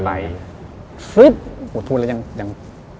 ฟลึ๊ดหัวทูนแล้วยัง